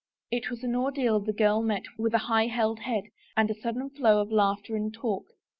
It was an ordeal the girl met with a high held head and a sudden flow of laughter and talk.